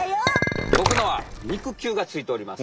ボクのは肉球がついております。